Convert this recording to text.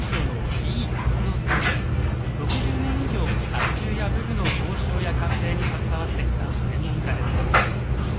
６０年以上甲冑や武具の考証や鑑定に携わってきた専門家です。